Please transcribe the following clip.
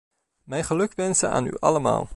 Mijn gelukwensen aan u allemaal.